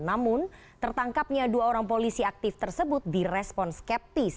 namun tertangkapnya dua orang polisi aktif tersebut direspon skeptis